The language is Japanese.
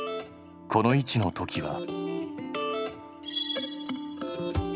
この位置の時は。